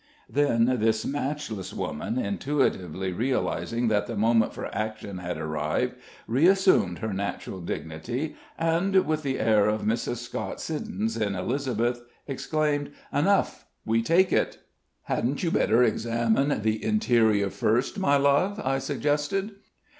Then this matchless woman, intuitively realizing that the moment for action had arrived, reassumed her natural dignity, and, with the air of Mrs. Scott Siddons in "Elizabeth," exclaimed: "Enough! We take it!" "Hadn't you better examine the interior first, my love?" I suggested.